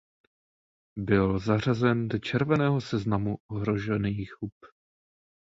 Byl zařazen do Červeného seznamu ohrožených hub.